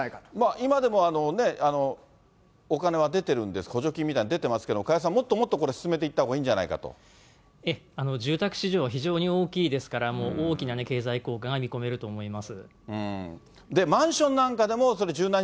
今でもお金は出てるんで、補助金みたいの出てるんですけど、加谷さん、もっともっと、これ進めていったほうがいいんじゃない住宅市場は非常に大きいですから、大きな経済効果が見込めると思います。